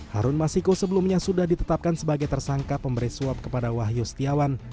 harun masiku sebelumnya sudah ditetapkan sebagai tersangka pemberi suap kepada wahyu setiawan